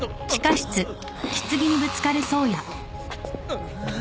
ああ。